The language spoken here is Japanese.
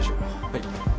はい。